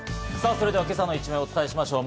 それでは今朝の一面をお伝えしましょう。